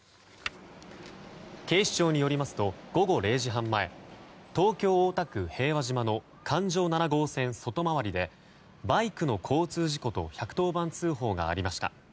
警視庁によりますと午後０時半前東京・大田区平和島の環状７号線外回りでバイクの交通事故と１１０番通報がありました。